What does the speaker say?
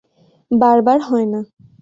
বার বার হয় না।